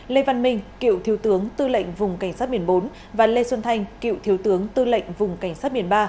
lê văn minh cựu thiếu tướng tư lệnh vùng cảnh sát biển bốn và lê xuân thanh cựu thiếu tướng tư lệnh vùng cảnh sát biển ba